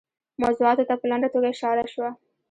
موضوعاتو ته په لنډه توګه اشاره شوه.